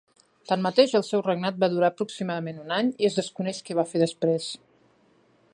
Tanmateix, el seu regnat va durar aproximadament un any i es desconeix què va fer després.